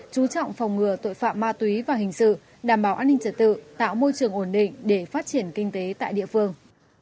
chú trọng phòng ngừa tội phạm ma túy và hình sự đảm bảo an ninh trật tự tạo môi trường ổn định để phát triển kinh tế tại địa phương